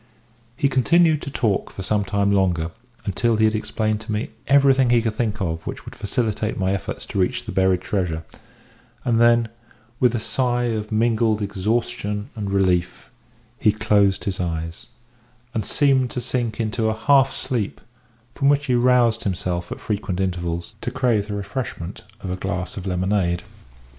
He continued to talk for some time longer, until he had explained to me everything he could think of which would facilitate my efforts to reach the buried treasure; and then, with a sigh of mingled exhaustion and relief, he closed his eyes, and seemed to sink into a half sleep, from which he roused himself at frequent intervals, to crave the refreshment of a draught of lemonade.